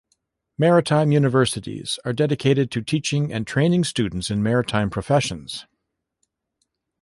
Maritime universities are dedicated to teaching and training students in maritime professions.